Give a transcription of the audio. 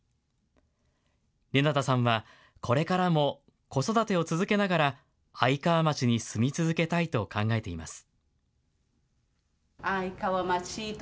レナタさんは、これからも子育てを続けながら、愛川町に住み続けたいと考えています。